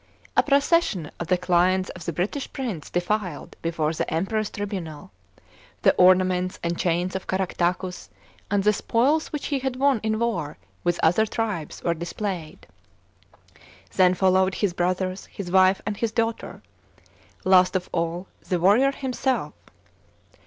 A procession of the clients of the British prince defiled before the Emperor's tribunal; the ornaments and chains of Caractacus and the spoil* which he had won in war with other tribes were displayed. Then followed his brothers, his wife, and his daughter ; last of all the warrior himself.